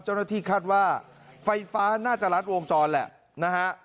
เจ้าหน้าที่คาดว่าไฟฟ้าน่าจะรัดวงจรแหละนะฮะ